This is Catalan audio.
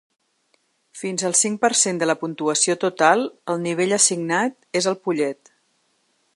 Fins al cinc per cent de la puntuació total, el nivell assignat és el pollet.